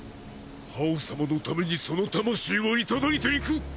葉王様のためにその魂をいただいていく！